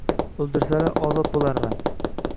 Oʻldirsalar, ozod boʻlarman…”